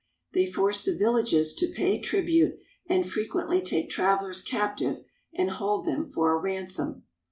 They force the villages to pay trib ute, and frequently take travelers captive and hold them for a ransom.